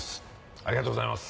ありがとうございます。